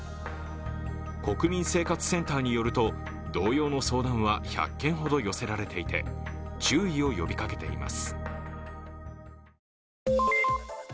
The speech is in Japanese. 国民生活センターによると、同様の相談は１００件ほど寄せられていて、注意を呼びかけています。